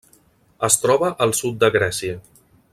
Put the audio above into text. Es troba al sud de Grècia.